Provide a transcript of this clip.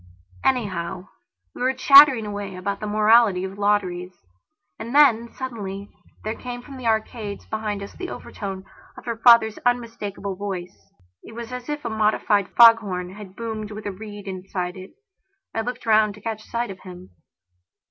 Anyhow, we were chattering away about the morality of lotteries. And then, suddenly, there came from the arcades behind us the overtones of her father's unmistakable voice; it was as if a modified foghorn had boomed with a reed inside it. I looked round to catch sight of him.